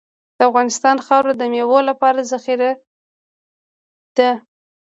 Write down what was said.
د افغانستان خاوره د میوو لپاره زرخیزه ده.